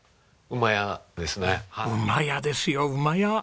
馬屋ですよ馬屋。